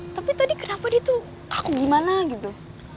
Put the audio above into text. tapi tadi kenapa dia tuh aku gimana gitu